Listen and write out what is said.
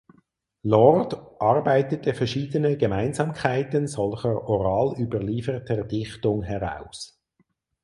Lord arbeitete verschiedene Gemeinsamkeiten solcher oral überlieferter Dichtung heraus.